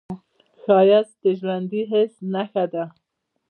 ښایست د ژوندي حس نښه ده